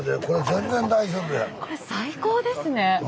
これ最高ですね！